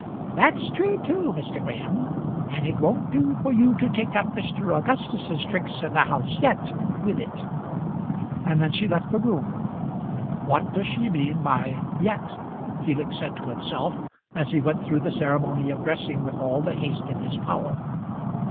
"That's true, too, Mr. Graham. And it won't do for you to take up Mr. Augustus's tricks in the house yet; will it?" And then she left the room. "What does she mean by 'yet'?" Felix said to himself as he went through the ceremony of dressing with all the haste in his power.